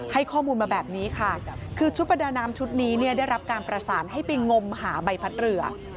ให้ข้อมูลมาแบบนี้ค่ะคือชุดประดาน้ำชุดนี้เนี่ยได้รับการประสานให้ไปงมหาใบพัดเรือ